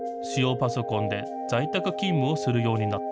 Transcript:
パソコンで在宅勤務をするようになった。